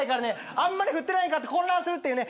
あんまり降ってないんかって混乱するっていうね。